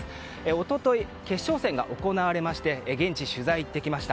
一昨日、決勝戦が行われまして現地に取材に行ってきました。